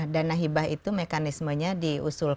dana hibah itu mekanismenya diusulkan